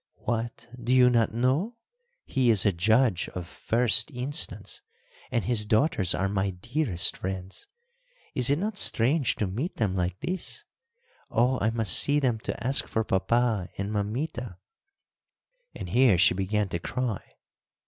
"What, do you not know? He is a Judge of First Instance, and his daughters are my dearest friends. Is it not strange to meet them like this? Oh, I must see them to ask for papa and mamita!" and here she began to cry.